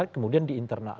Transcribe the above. kemudian di internal